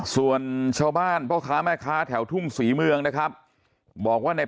ส่วนชาวบ้านพ่อค้าแม่ค้าแถวทุ่งศรีเมืองนะครับบอกว่าใน